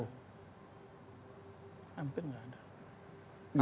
hampir tidak ada